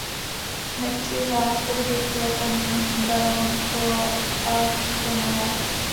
Nechci vás tedy kritizovat, paní baronko Ashtonová.